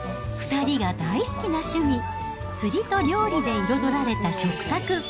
２人が大好きな趣味、釣りと料理で彩られた食卓。